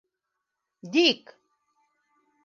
Дик!